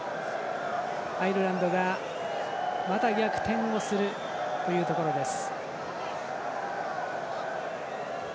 アイルランドがまた逆転をするというところです。